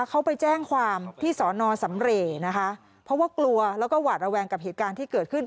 เขาไปแจ้งความที่สอนอสำเรย์นะคะเพราะว่ากลัวแล้วก็หวาดระแวงกับเหตุการณ์ที่เกิดขึ้น